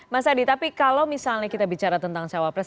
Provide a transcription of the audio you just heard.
mas adi tapi kalau misalnya kita bicara tentang cawapres